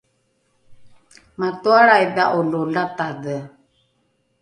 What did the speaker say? matoalrai dha’olo latadhe